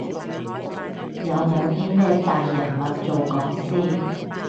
有冇啲咩大人物做講師？